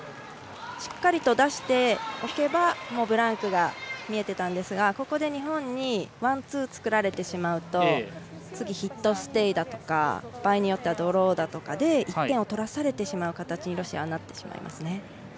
しっかりと出しておけばブランクが見えてたんですがここで日本にワン、ツー作られてしまうと次、ヒットステイだとか場合によってはドローとかで１点を取らされてしまう形にロシアはなってしまいますね。